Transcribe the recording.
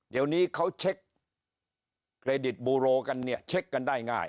เดี๋ยวนี้เขาเช็คเครดิตบูโรกันเนี่ยเช็คกันได้ง่าย